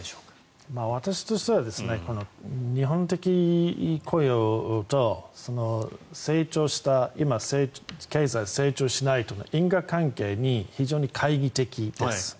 私としては日本的雇用と成長した今、経済成長しないとの因果関係に非常に懐疑的です。